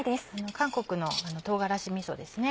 韓国の唐辛子みそですね。